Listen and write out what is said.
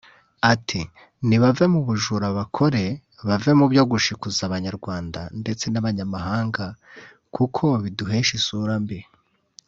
Ati “Nibave mu bujura bakore bave mu byo gushikuza abanyarwanda ndetse n’abanyamahanga kuko biduhesha isura mbi